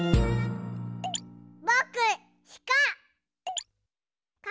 ぼくしか！